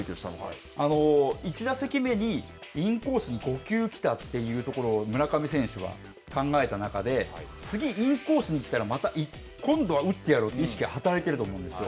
１打席目にインコースに５球来たというところを村上選手は考えた中で、次インコースに来たら、また今度は打ってやろうという意識が働いていると思うんですよ。